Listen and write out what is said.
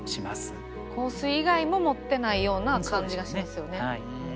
香水以外も持ってないような感じがしますよね。